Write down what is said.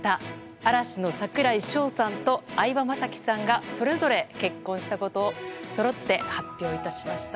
嵐の櫻井翔さんと相葉雅紀さんがそれぞれ結婚したことをそろって発表致しました。